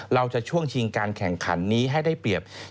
ในช่วงชิงการแข่งขันนี้ให้ได้เปรียบ